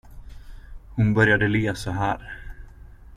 Hon började le så här.